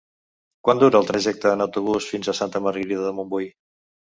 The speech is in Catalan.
Quant dura el trajecte en autobús fins a Santa Margarida de Montbui?